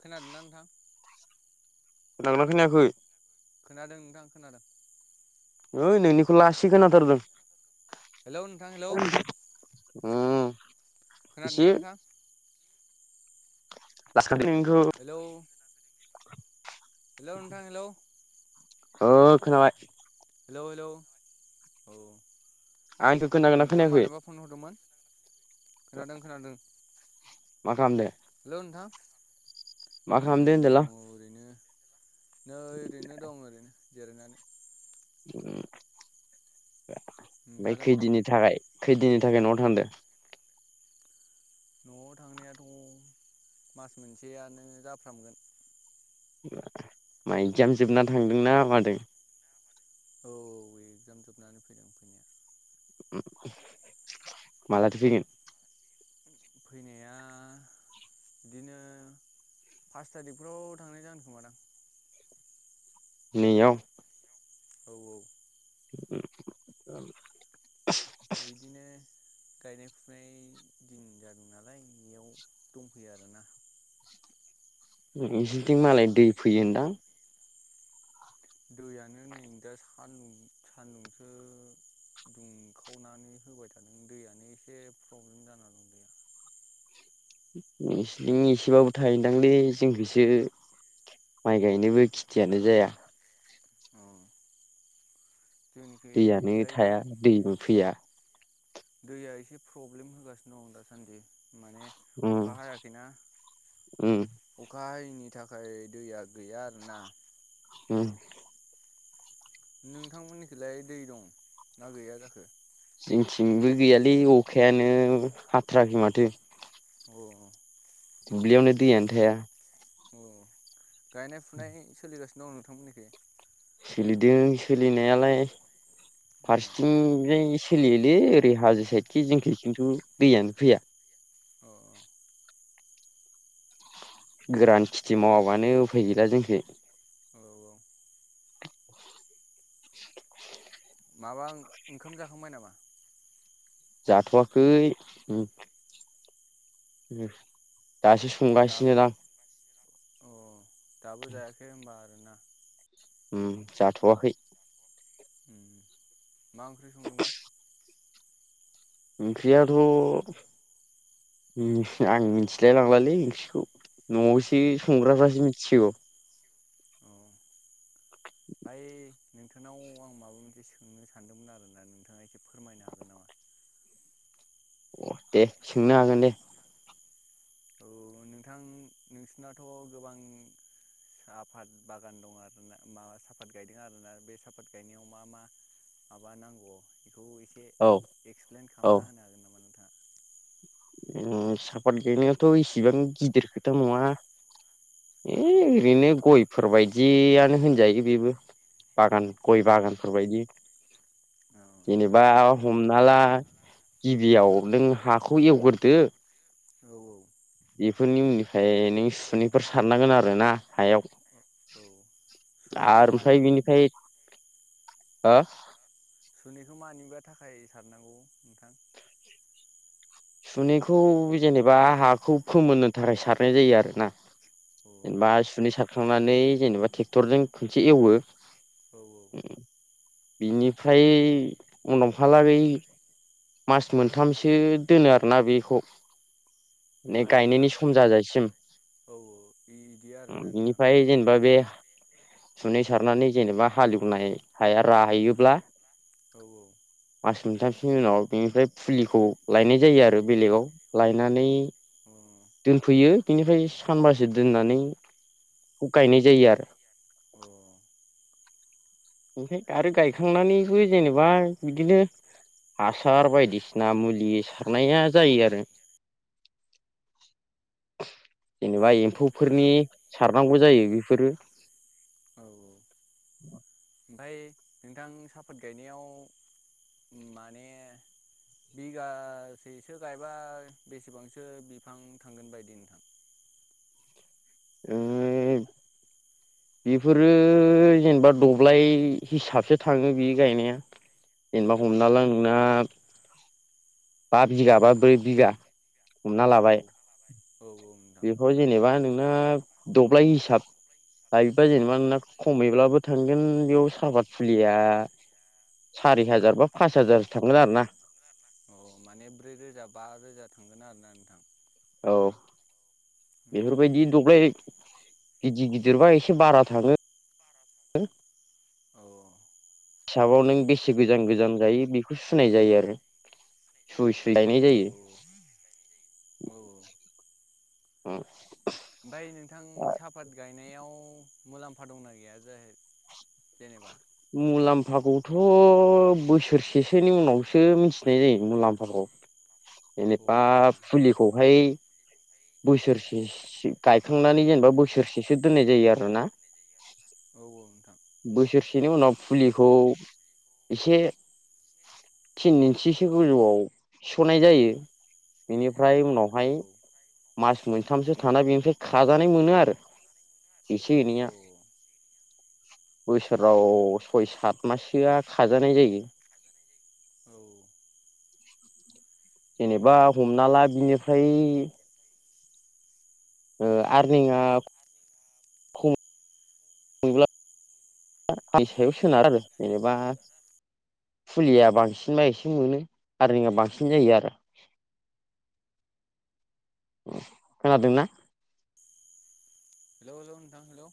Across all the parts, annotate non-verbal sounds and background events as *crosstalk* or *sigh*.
खोनादोंना नोंथां? खोनादों ना खोनायाखै? खोनादों नोंथां खोनादों। ओइ नोंनिखौ लासि खोनाथारदों। हेलौ नोंथां हेलौ उम। ‌ खोनादोंना नोंथां? हेलौ हेलौ नोंथां हेलौ *unintelligible* ओ खोनाबाय। हेलौ हेलौ, औ आंनिखौ खोनागोनना नोंथाङा खोनायाखै मानोबा फन हरदोंमोन? खोनादों खोनादों। मा खालामदों? हेल' नोंथां? नै खालामदो दङ होनदोलां ओरैनो। नै ओरैनो दं ओरैनो जिरायनानै। ओमफ्राय नोंथाङालाय मा खैदिननि खालामदों थाखाय खैदिननि थाखाय न'आव थांदो? न'आव थांनायाथ' मास मोनसेआ नो जाफ्रामगोन। मा इकजाम जोबना थांदोंना मादों? औ एगजाम जोबनानै फैदों फैनाया। उम, मालाथो फैगोन? फैनाया बिदिनो पास थारिखफ्राव थांनाय जागोन खोमादां। नैयाव। औ औ। इदिनो गायनाय फुनाय दिन जादों नालाय इयाव दंफैयो आरोना। नोंसिनिथिं मालाय दै फैयोदां। दैयानो नै दा सान्दुं सान्दुंसो दुंखावनानै होबाय थादों दैयानो एसे प्रब्लेम जाना दं दैया। नोंसिनिथिं एसेबाबो थायो ओनदांलै जोंनिखैसो माइ गायनोबो खिथियानो जाया। अ दैयानो जोंनिखैलाय दै थाया दैबो फैया। दैया एसे प्रब्लेम होगासिनो दं दासान्दि माने उम अखा हायाखैना। उम अखा हायैनि थाखाय दैया गैया आरोना। उम। नोंथां मोननिखैलाय दै दं ना गैया जाखो? जोंनिथिंबो गैयालै अखायानो हाथाराखै माथो। अ। दुब्लियावनो दैयानो थाया। अ, गायनाय फुनाय सोलिगासिनो दं नोंथां मोननिखै? सोलिदों सोलिनायालाय अ अ फारसेथिंजाय सोलियोलै ओरै हाजो साइडखि जोंनिखै खिन्थु दैयानो फैया। अ। गोरान खिथि मावाबानो उफाय गैला जोंखै। औ औ *inaudible* माबा ओंखाम जाखांबाय नामा? जाथ'वाखै उम। उम दाबो *unintelligible* अ दाबो जायाखै होनबा आरोना। उम जाथ'वाखै। *unintelligible* उम मा ओंख्रि संदोंबा? ओंख्रियाथ' उम आं मिथिलाय लांलालै ओंख्रिखौ न'आवसो बि संग्राफ्रासो मिथिसिगौ। औ *inaudible* दायो नोंथांनाव आं माबा मोनसे सोंनो सानदोंमोन आरोना नोंथाङा एसे फोरमायनो हागोन नामा? अ दे सोंनो हागोन दे। औ नोंथां नोंसिनाथ' गोबां साफाद बागान दं आरोना मा साफत गायदों आरोना बे साफात गायनायाव मा मा माबा नांगौआव बेखौ एसे औ एक्सप्लेन खालामना होनो हागोन नामा नों? ओम सापात गैनायाथ' इसिबां गिदिर खोथा नङा है औ ओरैनो गयफोरबायदियानो होनजायो बेबो बागान गय बागानफोरबायदि जेनेबा हमनाला गिबियाव नों हाखौ एवग्रोदो। औ औ बेफोरनि उननिफ्राय नों सुनैफोर सारनांगोन आरो ना। हायाव औ सुनैखौ आरो मानि ओमफ्राय बिनिफ्राय हो सुनैखौ मानिबा थाखाय सारनांगौ नोंथां। सुनैखौ जेनेबा हाखौ फोमोननो थाखाय सारनाय जायो आरोना। अ जेनबा सुनै सारखांनानै जेनबा ट्रेक्टरजों खनसे एवो। औ औ बिनिफ्राय उनावहालागै मास मोनथामसो दोनो आरोना बेखौ माने मानि गायनायनि थाखाय सम जाजासिम औ औ इदि आरोना नोंथां बिनिफ्राय जेनेबा बे सुनै सारनानै जेनेबा हालेवनाय हाया राहैयोब्ला औ औ मास मोनथामसोनि उनाव बेनिफ्राय फुलिखौ लायनाय जायो आरो बेलेगाव लायनानै अ अ दोनफैयो बिनिफ्राय सानबासो दोननानै बेखौ गायनाय जायो आरो अ ओमफ्राय आरो गायखांनानैबो जेनेबा बिदिनो हासार बायदिसिना मुलि सारनाया जायो आरो जेनेबा एम्फौफोरनि सारनांगौ जायो बेफोरो औ औ ओमफ्राय नोंथां साफात गायनायाव माने बिगासेसो गायबा बेसेबांसो बिफां थांगोन बायदि नोंथां? *unintelligible* बेफोरो जेनेबा दब्लाय हिसाबसो थाङो बे गायनाया औ जेनेबा हमनाला नोंना बा बिगा बा ब्रै बिघा औ औ लाबाय औ औ बेखौ जेनेबा नोंना दब्लाय हिसाब लायोबा जेनेबा नोंना खमैब्लाबो थांगोन बेयाव साहापत फुलिया सारि हाजार बा पास हाजारसो थांगोन आरो ना अ माने ब्रै रोजा बा रोजा थांगोन आरोना नोंथां औ औ बेफोरबायदि दब्लाय गिदिर गिदिरबा एसे बारा थाङो औ हिसाबाव नों बेसे गोजान गोजान जायो बेखौ सुनाय जायो आरो सुयै सुयै गायनाय जायो औ औ ओम ओमफ्राय नोंथां सा आफबाद गायनायाव मुलाम्फा दंना गैया जे जेनेबा? मुलाम्फाखौथ' बोसोरसेसोनि उनावसो मिथिनाय जायो मुलाम्फाखौ औ जेनेबा फुलिखौहाय बोसोरसे गायखांनानै जेनेबा बोसोरसेसो दोननाय जायो आरोना औ औ नोंथां बोसोरसेनि उनाव फुलिखौ एसे। थिन इन्सिसो गोजौआव सिस'नाय जायो बेनिफ्राय औ उनावहाय। औ मास मोनथामसो थाना बेनिफ्राय खाजानाय मोनो आरो एसे औ एनैया। बोसोराव सय सात माससोआ खाजानाय जायो। औ। जेनेबा हमना ला बिनिफ्राय ओ आरनिंआ *unintelligible* सोनारो आरो जेनेबा फुलिया बांसिनबा एसे मोनो आर्निंआ बांसिन जायो आरो। खोनादोंना? हेलौ हेलौ नोंथां हेलौ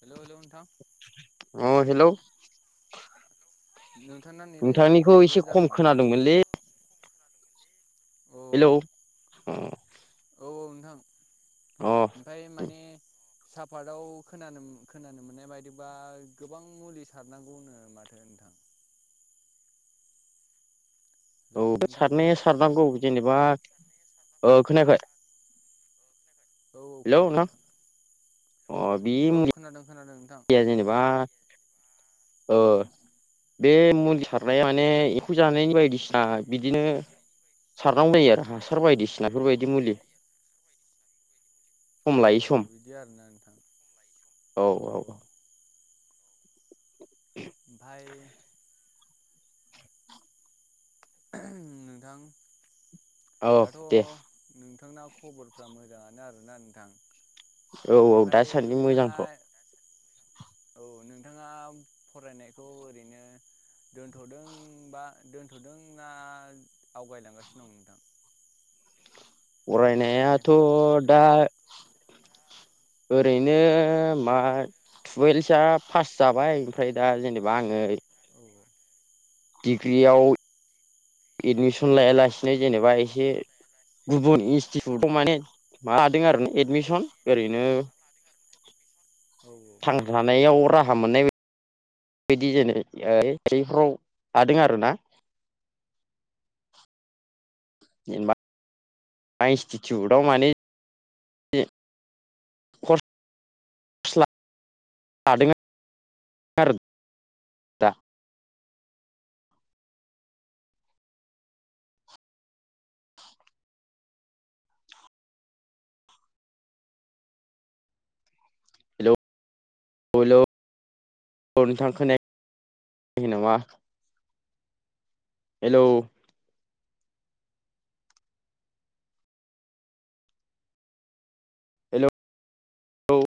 हेलौ हेलौ नोंथां ओम हेलौ नोंथांना नेट आ एसे प्रब्लेम जादों नोंथां मोनलै हेलौ ओम। औ-औ नोंथां। अ'। ओमफाय माने साफातआव खोनानो-खोनानो मोननाय बायदिबा गोबां मुलि सारनांगौ होनो माथो नोंथां। हेलौ औ नोंथां हेलौ सारनाया सारनांगौ जेनेबा। ओ खोनायाखै? औ-औ खोनादों नोंथां। अ' बे औ मुलि खोनादों खोनादों नोंथां। जेनेबा ओ। बे मुलि सारनाया माने एम्फौ जानायनि बायदिसिना बिदिनो सारनांगौ जायो आरो हासार बायदिसिनाफोरबायदि मुलि। सम लायै सम अ' बिदि आरोना नोंथां औ अ'। औ ओमफाय। नोंथां औ दाथ' दे नोंथांना खबरफ्रा मोजाङानो आरोना नोंथां? औ-औ बेनिफ्राय दासान्दि नोंथाङा मोजांथ'। औ नोंथाङा फरायनायखौ ओरैनो। दोनथ'दों बा दोनथ'दों ना आवगायलांगासिनो दं नोंथां? सोलोंथाइ फरायनायाथ' लानायखौ आरोना नोंथां। दा ओरैनो मा टुवेलसआ पास जाबाय ओमफ्राय दा जेनेबा आङो औ-औ। डिग्रियाव एडमिसन लायालासिनो जेनेबा एसे *unintelligible* एडमिसन ओरैनो *unintelligible* औ-औ। थांना थानायाव राहा मोननाय हादों आरो ना। जेनेबा *unintelligible* इन्सटिटिउटआव माने। *inaudible* *unintelligible* दा *unintelligible* खै नामा? हेलौ। हेलौ-लौ।